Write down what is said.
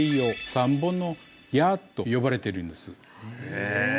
へえ